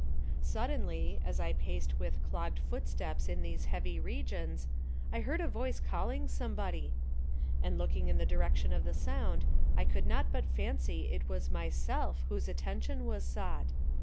Suddenly, as I paced with clogged footsteps in these heavy regions, I heard a voice calling somebody, and looking in the direction of the sound I could not but fancy it was myself whose attention was sought.